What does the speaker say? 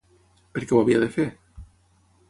Per què ho havia de fer?